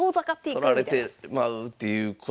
取られてまうっていうことなんですね。